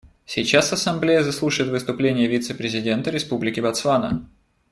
Сейчас Ассамблея заслушает выступление вице-президента Республики Ботсвана.